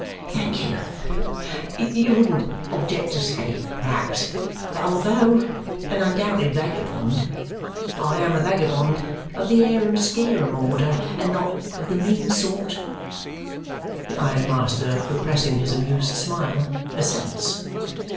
"Thank you. You wouldn't object to say, perhaps, that although an undoubted vagabond, I am a vagabond of the harum scarum order, and not of the mean sort?" The ironmaster, repressing his amused smile, assents.